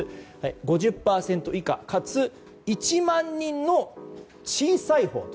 ５０％以下かつ１万人の小さいほうと。